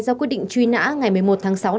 ra quyết định truy nã ngày một mươi một tháng sáu